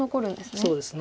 そうですね。